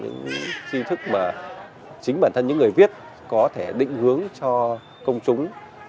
những chi thức mà chính bản thân những người viết có thể định hướng cho công chúng